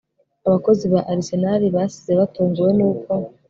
Abakozi ba Arsenal basize batunguwe nuko